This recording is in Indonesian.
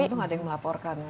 itu nggak ada yang melaporkan